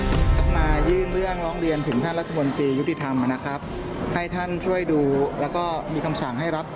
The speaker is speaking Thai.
ต้องมายื่นเรื่องร้องเรียนถึงท่านรัฐมนตรียุติธรรมนะครับให้ท่านช่วยดูแล้วก็มีคำสั่งให้รับ